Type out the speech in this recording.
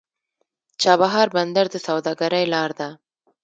چابهار بندر د سوداګرۍ لار ده.